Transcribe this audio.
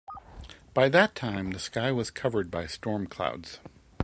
By that time, the sky was covered by storm clouds.